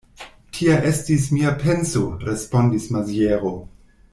Tia estis mia penso, respondis Maziero.